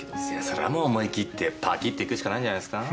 それはもう思い切ってぱきっといくしかないんじゃないですか？